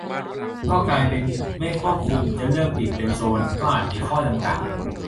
ก็กลายเป็นไม่ควบคุม จะเลือกปิดเป็นโซน ก็อาจมีข้อจำกัด